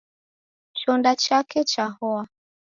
Chonda chake chahoa.